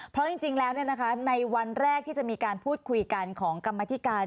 เพราะจริงแล้วในวันแรกที่จะมีการพูดคุยกันของกรรมธิการ